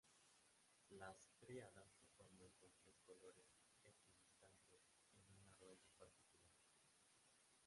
Las tríadas se forman con tres colores equidistantes en una rueda particular.